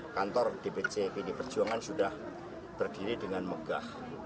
kantor dpc pd perjuangan sudah berdiri dengan megah